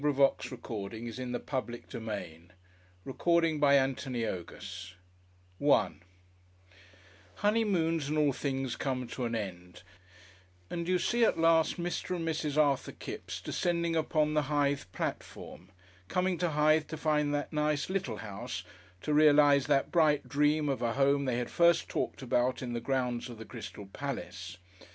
END OF BOOK II. BOOK III KIPPSES CHAPTER I THE HOUSING PROBLEM §1 Honeymoons and all things come to an end, and you see at last Mr. and Mrs. Arthur Kipps descending upon the Hythe platform coming to Hythe to find that nice little house to realise that bright dream of a home they had first talked about in the grounds of the Crystal Palace.